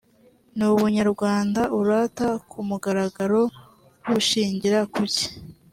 nubunyarwanda urata kumugaragaro bushingira kuki